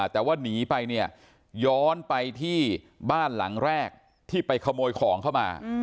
แต่ว่าหนีไปเนี่ยย้อนไปที่บ้านหลังแรกที่ไปขโมยของเข้ามา